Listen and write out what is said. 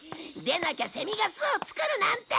でなきゃセミが巣を作るなんて！